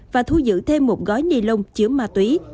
và thu giữ thêm một gói ni lông chứa ma túy